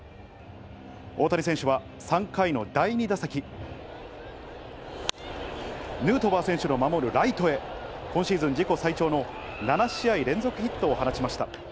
大谷選手は３回の第２打席、ヌートバー選手の守るライトへシーズン自己最長の７試合連続ヒットを放ちました。